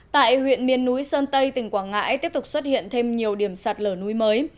tại huyện miền núi sơn tây tỉnh quảng ngãi tiếp tục xuất hiện thêm nhiều điểm sạt lở núi mới